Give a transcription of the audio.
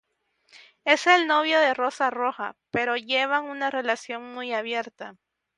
Es el novio de Rosa Roja, pero llevan una relación muy abierta.